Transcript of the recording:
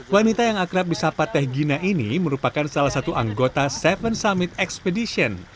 wanita yang akrab di sapateh gina ini merupakan salah satu anggota seven summit expedition